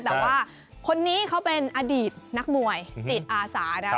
แต่ว่าคนนี้เขาเป็นอดีตนักมวยจิตอาสานะครับ